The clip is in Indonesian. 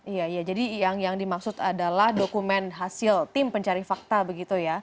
iya iya jadi yang dimaksud adalah dokumen hasil tim pencari fakta begitu ya